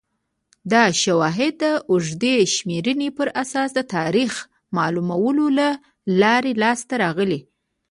دا شواهد د اوږدې شمېرنې پر اساس د تاریخ معلومولو له لارې لاسته راغلي